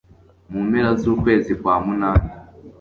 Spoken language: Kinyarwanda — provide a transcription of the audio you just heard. mu mpera z'ukwezi kwa munani